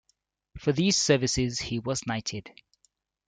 For these services he was knighted.